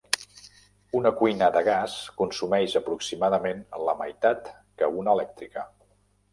Una cuina de gas consumeix aproximadament la meitat que una elèctrica.